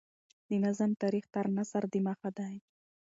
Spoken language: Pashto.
د نظم تاریخ تر نثر دمخه دﺉ.